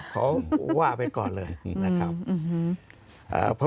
เขาว่าไปก่อนเลยนะครับ